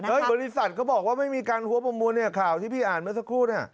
บริษัทก็บอกว่าไม่มีการหัวประมูลเนี่ยข่าวที่พี่อ่านเมื่อสักครู่เนี่ย